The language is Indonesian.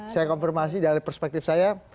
saya konfirmasi dari perspektif saya